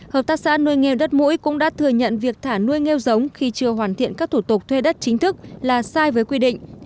hợp tác xã nuôi nghêu đất mũi cũng đã thừa nhận việc thả nuôi giống khi chưa hoàn thiện các thủ tục thuê đất chính thức là sai với quy định